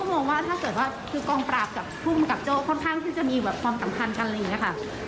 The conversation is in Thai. คนก็มองว่าถ้าเกิดว่ากรรมกราบเพราะคลั้นจะมีความสัมพันธ์กัน